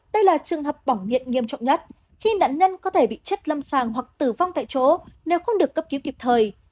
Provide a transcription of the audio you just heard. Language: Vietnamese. đây là trường hợp bỏng nghiện nghiêm trọng nhất khi nạn nhân có thể bị chất lâm sàng hoặc tử vong tại chỗ nếu không được cấp cứu kịp thời